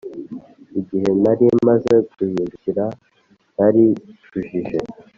Igihe nari maze guhindukira naricujije